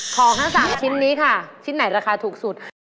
ของทั้ง๓ชิ้นนี้ค่ะชิ้นไหนราคาถูกสุด